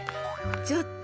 ちょっと。